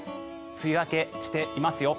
梅雨明けしていますよ。